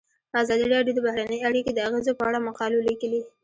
ازادي راډیو د بهرنۍ اړیکې د اغیزو په اړه مقالو لیکلي.